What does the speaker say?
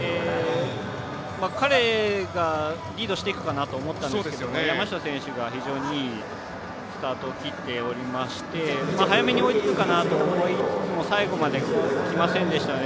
彼がリードしていくかなと思ったんですけども山下選手が非常にいいスタートを切っておりまして早めに追いつくかなと思いつつも最後まできませんでしたね。